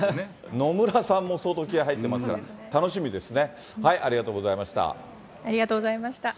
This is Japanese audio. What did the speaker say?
野村さんも相当気合い入ってますから、楽しみですね。